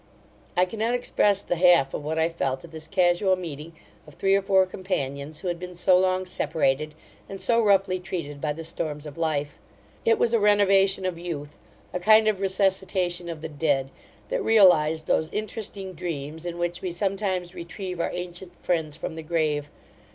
I cannot express the half of what I felt at this casual meeting of three or four companions, who had been so long separated, and so roughly treated by the storms of life. It was a renovation of youth; a kind of resuscitation of the dead, that realized those interesting dreams, in which we sometimes retrieve our ancient friends from the grave.